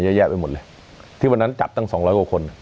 เยอะแยะไปหมดเลยที่วันนั้นจัดตั้งสองร้อยกว่าคน